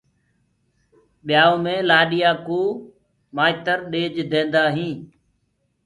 ٻِيآئو مي لآڏيآ ڪو مآئتر ڏيج دينٚدآ هيٚنٚ